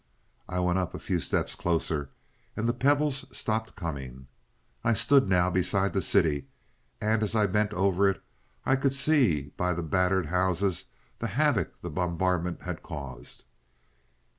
"I went up a few steps closer, and the pebbles stopped coming. I stood now beside the city, and as I bent over it, I could see by the battered houses the havoc the bombardment had caused.